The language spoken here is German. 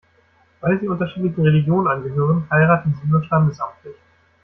Weil sie unterschiedlichen Religionen angehören, heiraten sie nur standesamtlich.